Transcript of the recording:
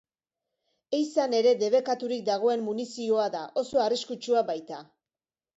Ehizan ere debekaturik dagoen munizioa da, oso arriskutsua baita.